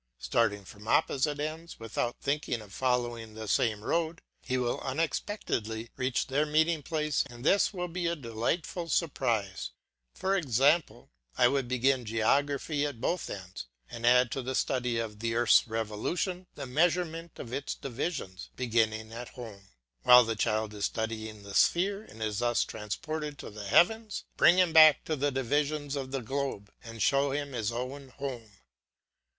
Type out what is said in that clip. Starting from opposite ends, without thinking of following the same road, he will unexpectedly reach their meeting place and this will be a delightful surprise. For example, I would begin geography at both ends and add to the study of the earth's revolution the measurement of its divisions, beginning at home. While the child is studying the sphere and is thus transported to the heavens, bring him back to the divisions of the globe and show him his own home.